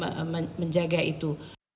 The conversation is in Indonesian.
kita juga menjaga itu